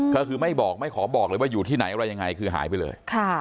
ก็คือไม่บอกไม่ขอบอกเลยว่าอยู่ที่ไหนอะไรยังไงคือหายไปเลย